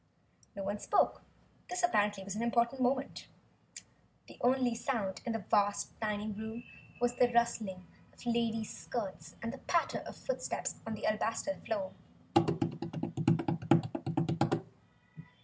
No one spoke. This, apparently was an important moment. The only sound in the vast dining room was the rustling of the ladies' skirts and the patter of footsteps on the alabaster floor.